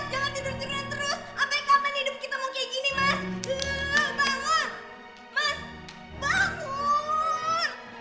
sampai kapan hidup kita mau kayak gini mas